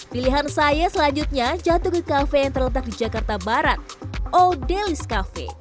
pilihan saya selanjutnya jatuh ke kafe yang terletak di jakarta barat odelis cafe